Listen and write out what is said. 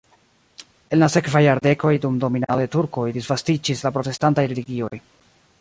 En la sekvaj jardekoj dum dominado de turkoj disvastiĝis la protestantaj religioj.